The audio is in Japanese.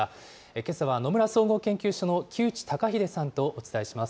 けさは、野村総合研究所の木内登英さんとお伝えします。